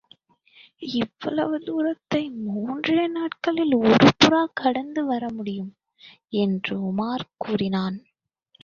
இவ்வளவு தூரத்தை முன்றே நாட்களில் ஒரு புறா கடந்து வர முடியும்! என்று உமார் கூறினான்.